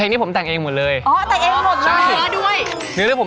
อันนี้ว่าผมแต่งตั้งเพลงเลยผม